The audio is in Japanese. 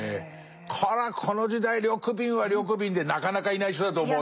こりゃこの時代緑敏は緑敏でなかなかいない人だと思うよ。